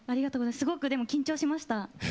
すごく緊張しました。